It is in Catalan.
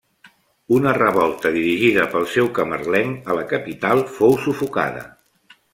Una revolta dirigida pel seu camarlenc a la capital, fou sufocada.